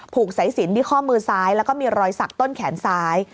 ผูกใส่สินที่ข้อมือซ้ายแล้วก็มีรอยศักดิ์ต้นแขนซ้าย